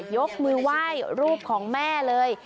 ยกมือไหว้รูปของแม่เลย